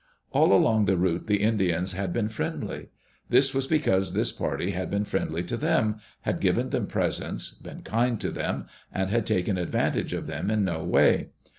All along the route the Indians had been friendly. This was because this party had been friendly to them, had given them presents, been kind to them, and had taken advantage of them in no way.